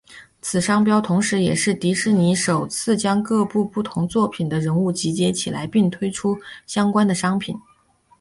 此商标同时也是迪士尼首次将各部不同作品的人物集结起来并推出相关的商品。